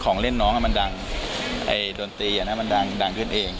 ของเล่นน้องก็มันดังโดนตีก็มันดังขึ้นเอง